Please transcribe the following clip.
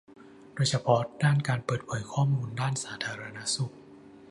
โดยเฉพาะด้านการเปิดเผยข้อมูลด้านสาธารณสุข